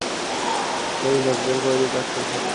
কবির Notre Dame কলেজের প্রাক্তন ছাত্র।